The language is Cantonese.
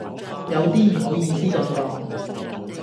有啲唔好意思咁講